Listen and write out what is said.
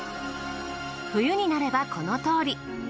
冬になればこのとおり。